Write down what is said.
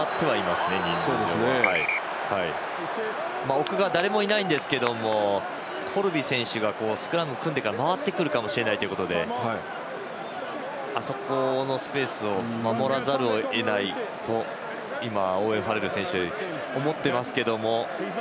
奥側、誰もいないんですがコルビ選手がスクラム組んでから回ってくるかもしれないことであそこのスペースを守らざるを得ないと今、オーウェン・ファレルは思っていますけれども。